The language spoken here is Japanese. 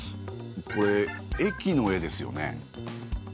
これ駅の絵ですよね。